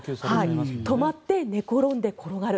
止まって寝転んで転がる。